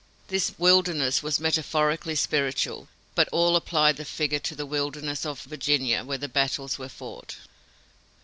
This wilderness was metaphorically spiritual, but all applied the figure to the Wilderness of Virginia, where the battles were fought.